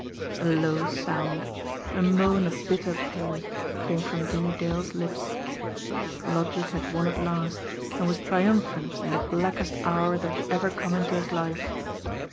A low sound, a moan of bitter pain, came from Jimmie Dale's lips. Logic had won at last, and was triumphant in the blackest hour that had ever come into his life.